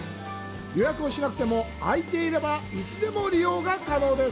予約をしなくても、あいていれば、いつでも利用可能です。